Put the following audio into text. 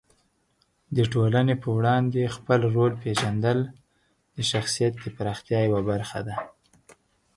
د ټولنې په وړاندې خپل رول پېژندل د شخصیت د پراختیا یوه برخه ده.